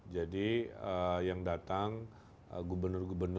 jadi yang datang gubernur gubernur